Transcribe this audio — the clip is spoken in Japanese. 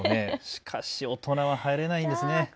しかし大人は入れないんですね。